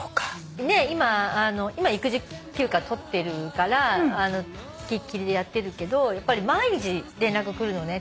今育児休暇取ってるから付きっきりでやってるけど毎日連絡来るのね。